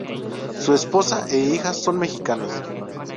Su esposa e hijas son mexicanas.